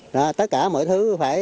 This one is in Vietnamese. đó là tất cả mọi thứ